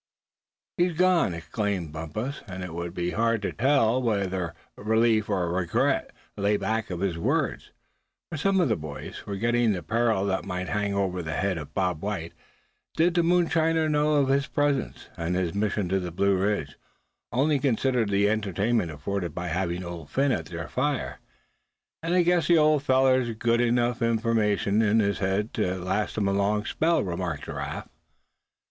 "HE'S gone!" exclaimed Bumpus; and it would have been hard to tell whether relief or regret lay back of his words; for some of the boys, forgetting the peril that might hang over the head of Bob White, did the moonshiner know of his presence, and his mission to the Blue Ridge, only considered the entertainment afforded by having Old Phin at their fire. "And I guess the old feller's got enough information in his head to last him a long spell," remarked Giraffe.